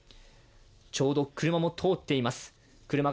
ちょうど車も通っています。